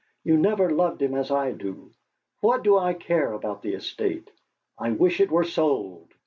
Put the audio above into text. "You never loved him as I do! What do I care about the estate? I wish it were sold!